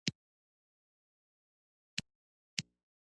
شیدې ګرمی دی